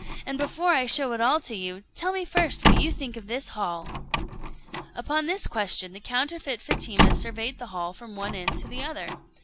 And before I show it all to you, tell me first what you think of this hall." Upon this question, the counterfeit Fatima surveyed the hall from one end to the other.